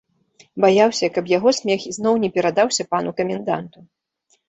Баяўся, каб яго смех ізноў не перадаўся пану каменданту.